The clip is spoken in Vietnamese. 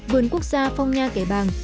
vườn quốc gia phong nha kẻ bàng